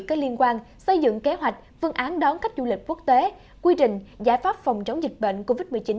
có liên quan xây dựng kế hoạch phương án đón khách du lịch quốc tế quy trình giải pháp phòng chống dịch bệnh covid một mươi chín